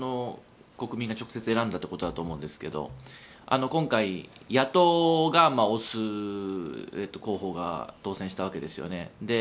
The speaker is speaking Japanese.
国民が直接選んだということだと思いますけど今回、野党が推す候補が当選したわけですよね。